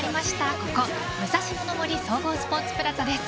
ここ、武蔵野の森総合スポーツプラザです。